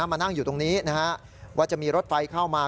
มานั่งอยู่ตรงนี้ว่าจะมีรถไฟเข้ามา